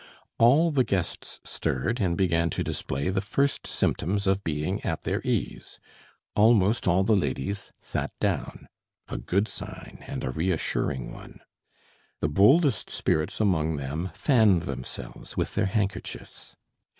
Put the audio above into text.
all the guests stirred and began to display the first symptoms of being at their ease. Almost all the ladies sat down. A good sign and a reassuring one. The boldest spirits among them fanned themselves with their handkerchiefs.